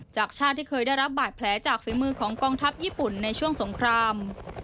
จากชาติที่เคยได้รับบาดแผลจากฝีมือของกองทัพญี่ปุ่นในช่วงสงคราม